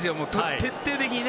徹底的にね。